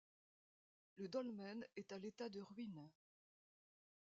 Le dolmen est à l'état de ruines.